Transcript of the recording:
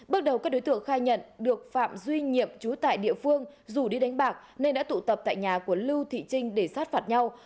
bước đầu các đối tượng khai nhận được phạm duy nhiệm chú tại địa phương dù đi đánh bạc nên đã tụ tập tại nhà của lưu thị trinh để sát phạt nhau